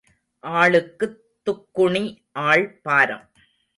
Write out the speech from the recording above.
ஆளுக்குத் துக்குணி ஆள் பாரம்.